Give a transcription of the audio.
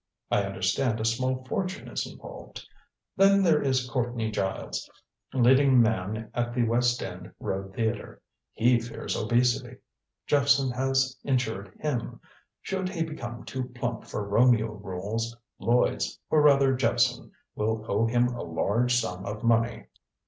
I understand a small fortune is involved. Then there is Courtney Giles, leading man at the West End Road Theater. He fears obesity. Jephson has insured him. Should he become too plump for Romeo roles, Lloyds or rather Jephson will owe him a large sum of money."